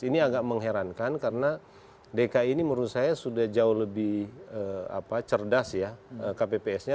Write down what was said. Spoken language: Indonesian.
ini agak mengherankan karena dki ini menurut saya sudah jauh lebih cerdas ya kpps nya